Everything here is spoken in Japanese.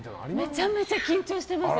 めちゃめちゃ緊張してます。